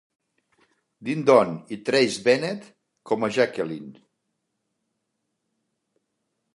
Dindon i Tracie Bennett com a Jacqueline.